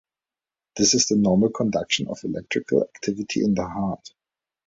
This is the normal conduction of electrical activity in the heart.